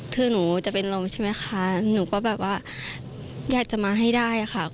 คือหนูจะเป็นลมใช่ไหมคะหนูก็แบบว่าอยากจะมาให้ได้ค่ะ